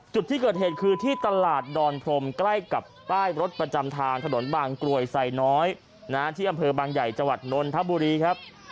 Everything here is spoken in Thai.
จุดที่เกิดเหตุคือที่ตลาดดอนพรมใกล้กับป้ายรถประจำทางถนนบางกรวยไซน้อยที่อำเภอบางใหญ่จังหวัดนนทบุรีครับ